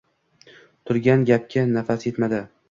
Turgan gapki, nafasi yetmadi.